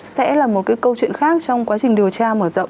sẽ là một cái câu chuyện khác trong quá trình điều tra mở rộng